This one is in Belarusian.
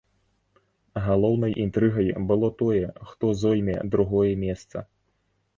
Галоўнай інтрыгай было тое, хто зойме другое месца.